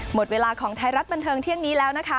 หมดเวลาของไทยรัฐบันเทิงเที่ยงนี้แล้วนะคะ